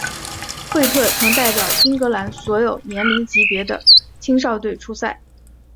惠特曾代表英格兰所有年龄级别的青少队出赛。